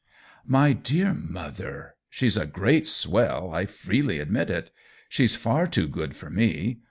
" My dear mother, she's a great swell ; I freely admit it. She's far too good for me.